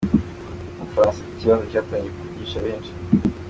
Mu Bufaransa iki kibazo cyatangiye kuvugisha benshi.